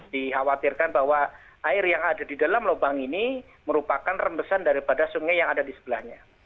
dikhawatirkan bahwa air yang ada di dalam lubang ini merupakan rembesan daripada sungai yang ada di sebelahnya